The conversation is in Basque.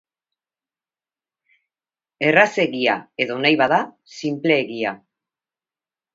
Errazegia, edo nahi bada, sinpleegia.